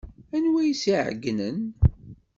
Anwa ay as-iɛeyynen?